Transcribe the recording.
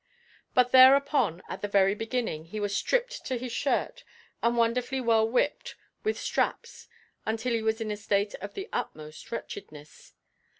But thereupon, at the very beginning, he was stripped to his shirt, and wonderfully well whipped with straps until he was in a state of the utmost wretchedness.